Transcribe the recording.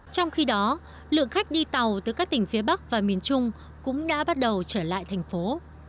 trong khi đó lượng khách đi tàu từ các tỉnh phía bắc và miền trung cũng đã bắt đầu trở lại thành phố